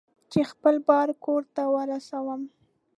چې خپل بار کور ته ورسوم.